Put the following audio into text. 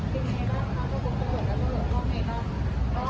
เป็นไงบ้างค่ะต้องโดนตอบไหมได้